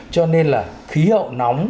cho nên là khí hậu nóng